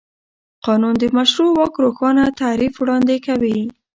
قانون د مشروع واک روښانه تعریف وړاندې کوي.